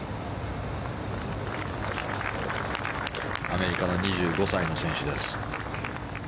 アメリカの２５歳の選手です。